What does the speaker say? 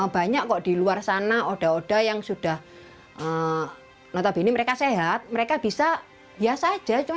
banyak kok di luar sana oda oda yang sudah notabene mereka sehat mereka bisa biasa aja cuma